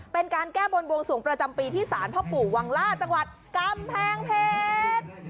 เป็นการแก้บนบวงสวงประจำปีที่ศาลพ่อปู่วังล่าจังหวัดกำแพงเพชร